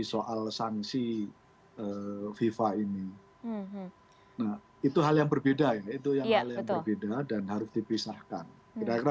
soal sanksi fifa ini nah itu hal yang berbeda itu yang hal yang berbeda dan harus dipisahkan kira kira